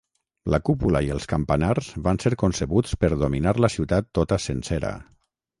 La cúpula i els campanars van ser concebuts per dominar la ciutat tota sencera.